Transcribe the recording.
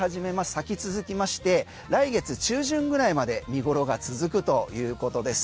咲き続きまして来月中旬ぐらいまで見頃が続くということです。